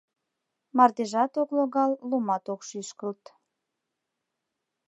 Мардежат ок логал, лумат ок шӱшкылт.